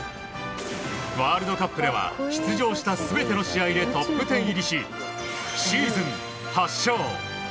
ワールドカップでは出場した全ての試合でトップ１０入りしシーズン８勝。